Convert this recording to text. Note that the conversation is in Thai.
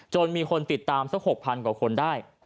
มีคนติดตามสัก๖๐๐กว่าคนได้